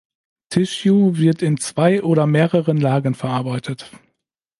Tissue wird in zwei oder mehreren Lagen verarbeitet.